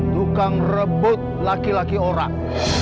tukang rebut laki laki orang